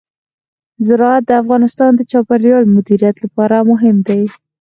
زراعت د افغانستان د چاپیریال د مدیریت لپاره مهم دي.